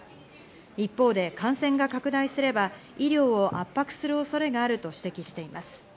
一方で感染が拡大すれば医療を圧迫する恐れがあると指摘しています。